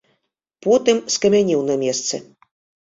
Потым скамянеў на месцы.